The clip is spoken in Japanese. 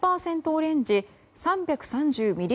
オレンジ３３０ｍｌ